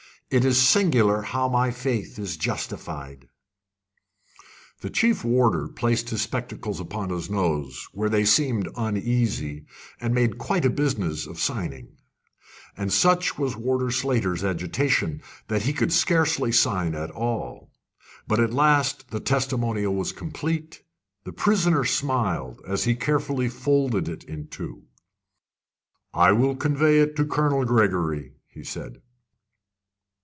It is singular how my faith is justified!" The chief warder placed his spectacles upon his nose, where they seemed uneasy, and made quite a business of signing. And such was Warder Slater's agitation, that he could scarcely sign at all. But at last the "testimonial" was complete. The prisoner smiled as he carefully folded it in two. "I will convey it to Colonel Gregory," he said.